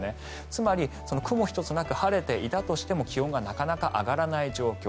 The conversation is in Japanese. つまり、雲一つなく晴れていたとしても気温がなかなか上がらない状況。